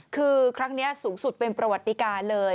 คือครั้งนี้สูงสุดเป็นประวัติการเลย